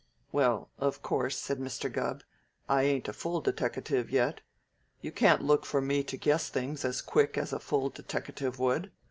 "Well, of course," said Mr. Gubb, "I ain't a full deteckative yet. You can't look for me to guess things as quick as a full deteckative would.